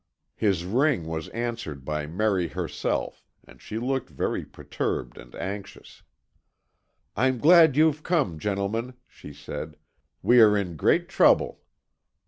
His ring was answered by Merry herself, and she looked very perturbed and anxious. "I'm glad you've come, gentlemen," she said. "We are in great trouble."